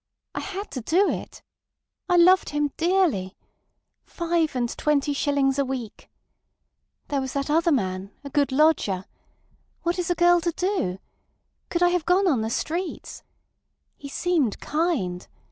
I had to do it. I loved him dearly. Five and twenty shillings a week! There was that other man—a good lodger. What is a girl to do? Could I've gone on the streets? He seemed kind.